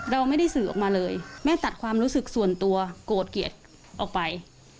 เราไม่ได้สื่อออกมาเลยแม่ตัดความรู้สึกส่วนตัวโกรธเกลียดออกไป